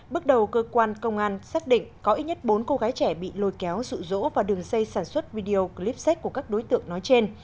bước đầu cơ quan công an xác định có ít nhất bốn cô gái trẻ bị lôi kéo rụ rỗ vào đường dây sản xuất video clip sách của các đối tượng nói trên